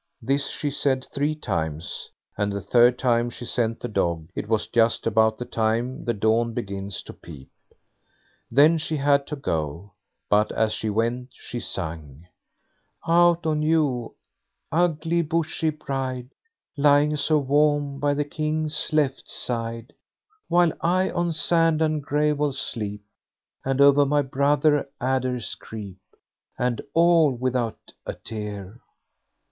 This she said three times, and the third time she sent the dog it was just about the time the dawn begins to peep. Then she had to go, but as she went she sung: Out on you, ugly Bushy Bride, Lying so warm by the King's left side; While I on sand and gravel sleep, And over my brother adders creep, And all without a tear.